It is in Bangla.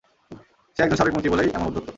সে একজন সাবেক মন্ত্রী বলেই এমন ঔদ্ধত্য।